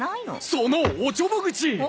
そのおちょぼ口！